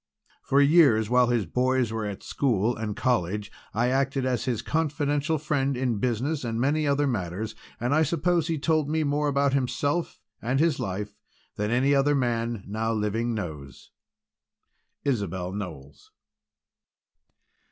"For years, while his boys were at school and college, I acted as his confidential friend in business and many other matters, and I suppose he told me more about himself and his life than any other man now living knows." ISABEL KNOWLES.